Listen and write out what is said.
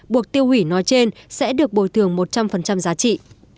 buộc tiêu hủy nói trên sẽ được bồi thường một trăm linh giá trị